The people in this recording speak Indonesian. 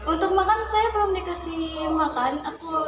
untuk makan saya belum diberi makan aku